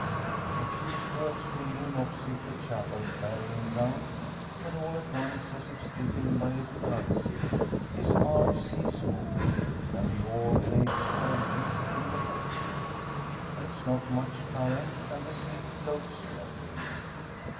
A few strokes bring him opposite the chapel burying ground; when all at once, as if stricken by a palsy, his arms cease moving, and the oar blades drag deep in the water. There is not much current, and the skiff floats slowly.